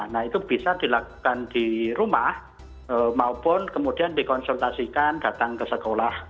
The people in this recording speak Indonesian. nah itu bisa dilakukan di rumah maupun kemudian dikonsultasikan datang ke sekolah